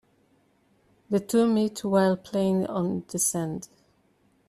The two met while playing on the sand.